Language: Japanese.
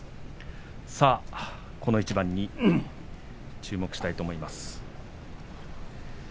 さあ、この一番に注目したいと思います。